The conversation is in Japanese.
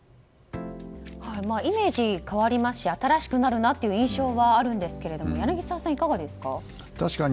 イメージ変わりますし新しくなるなという印象はあるんですけど柳澤さんはいかがですか？